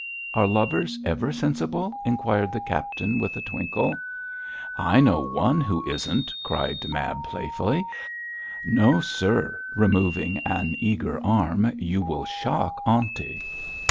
'Are lovers ever sensible?' inquired the captain, with a twinkle. 'I know one who isn't,' cried Mab, playfully. 'No, sir,' removing an eager arm, 'you will shock aunty.'